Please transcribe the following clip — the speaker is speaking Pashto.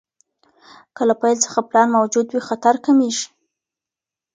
که له پیل څخه پلان موجود وي، خطر کمېږي.